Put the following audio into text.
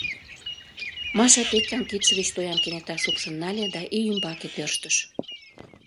Маша Петькан кидше гыч тоям кенета шупшын нале да ий ӱмбаке тӧрштыш.